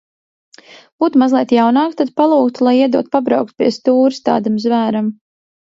Būtu mazliet jaunāka, tad palūgtu, lai iedod pabraukt pie stūres tādam zvēram.